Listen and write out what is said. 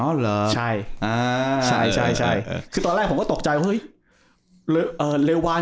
อ๋อเหรอใช่อ่าใช่ใช่ใช่คือตอนแรกผมก็ตกใจว่าเฮ้ย